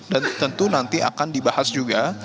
dan tentu nanti akan dibahas juga